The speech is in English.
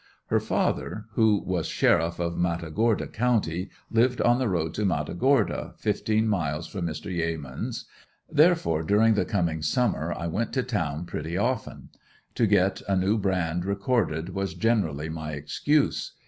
Her father, who was Sheriff of Matagorda county lived on the road to Matagorda, fifteen miles from Mr. Yeamans', therefore, during the coming summer I went to town pretty often; to get a new brand recorded was generally my excuse.